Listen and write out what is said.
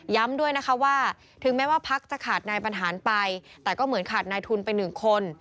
ด้วยนะคะว่าถึงแม้ว่าพักจะขาดนายบรรหารไปแต่ก็เหมือนขาดนายทุนไปหนึ่งคน